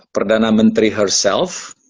perdana menteri herself